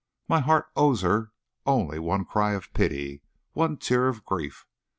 My heart owes her one cry of pity, one tear of grief.